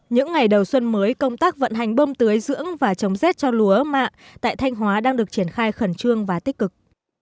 những ngày đầu xuân mới công tác vận hành bơm tưới dưỡng và chống rét cho lúa mạng tại thanh hóa đang được triển khai khẩn trương và tích cực